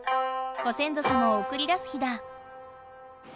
ご先祖様をおくり出す日だ。